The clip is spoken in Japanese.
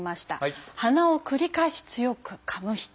「鼻を繰り返し強くかむ人」。